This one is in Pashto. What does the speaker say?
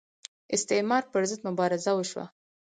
استعمار پر ضد مبارزه وشوه